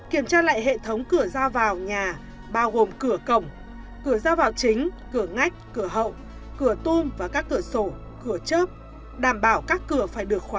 kiểm tra lại hệ thống cửa ra vào nhà bao gồm cửa cổng cửa ra vào chính cửa ngách cửa hậu cửa tôm và các cửa sổ cửa chớp đảm bảo các cửa phải được khóa cửa